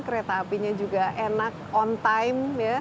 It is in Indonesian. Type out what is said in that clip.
kereta apinya juga enak on time